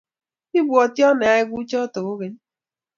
Ibwatwo ayai kuchotok kogeny